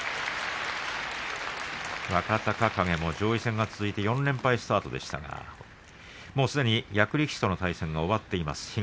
若隆景も上位戦が続いて４連敗スタートでしたがもうすでに役力士との対戦が終わっています。